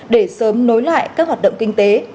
để sớm nối lại các hoạt động kinh tế